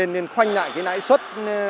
nên khoanh lại cái lãi xuất